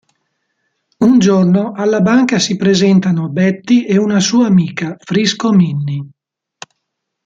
Un giorno, alla banca si presentano Betty e una sua amica, Frisco Minnie.